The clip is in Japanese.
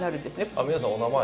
あっ皆さんお名前。